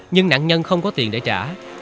nhưng nạn nhân không có tiền để trả